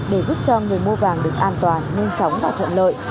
để giúp cho người mua vàng được an toàn nhanh chóng và thuận lợi